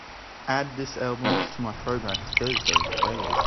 add this album to my Throwback Thursday playlist